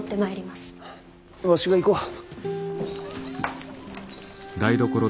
わしが行こう。